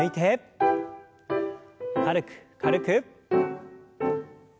軽く軽く。